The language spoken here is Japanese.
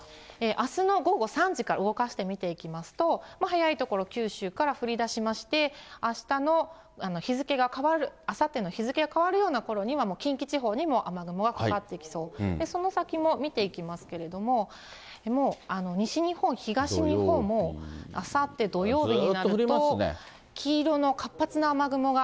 あすの午後３時から動かして見ていきますと、早い所、九州から降りだしまして、あしたの日付が変わる、あさっての日付が変わるようなころにはもう近畿地方にも雨雲がかかってきそう、その先も見ていきますけれども、もう西日本、東日本も、あさって土曜日になりますと、黄色の活発な雨雲が、